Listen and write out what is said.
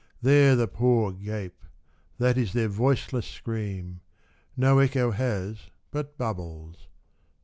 There the poor gape, that is their voiceless scream, No echo has but bubbles.